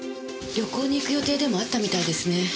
旅行に行く予定でもあったみたいですね。